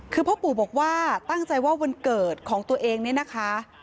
คือพ่อปู่บอกว่าตั้งใจว่าวันเกิดของตัวเองเนี่ยนะคะ